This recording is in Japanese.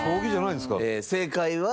正解は。